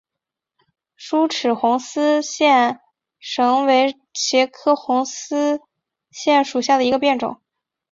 疏齿红丝线为茄科红丝线属下的一个变种。